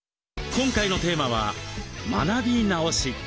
今回のテーマは「学び直し」。